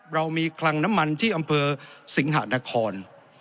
เรามีคลังน้ำมันที่อำเภอสิงหะนคร